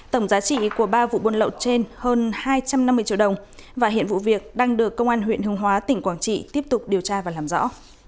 tổng giá trị của ba vụ buôn lậu trên hơn hai trăm năm mươi triệu đồng và hiện vụ việc đang được công an huyện hương hóa tỉnh quảng trị tiếp tục điều tra và làm rõ